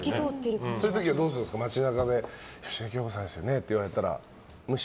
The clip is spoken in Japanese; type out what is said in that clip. そういう時はどうするんですか街中で、芳根京子さんですよねって言われたら無視？